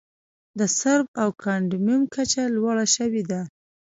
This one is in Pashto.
د سرب او کاډمیوم کچه لوړه شوې ده.